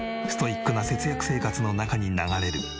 ストイックな節約生活の中に流れる。